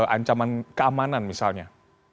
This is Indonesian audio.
ancaman keamanan misalnya